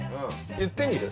言ってみる？